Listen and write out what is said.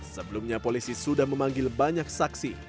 sebelumnya polisi sudah memanggil banyak saksi